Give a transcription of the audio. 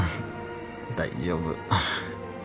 大丈夫。